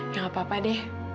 gak apa apa deh